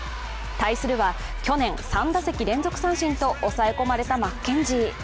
対するは去年３打席連続三振と抑え込まれたマッケンジー。